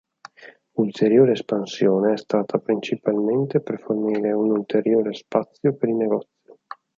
Ulteriore espansione è stata principalmente per fornire un ulteriore spazio per i negozi.